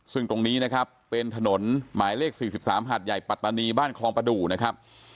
ซึ่งตรงนี้นะครับเป็นถนนหมายเลข๔๓หาดใหญ่ปัตตานีบ้านคลองประดูกนะครับ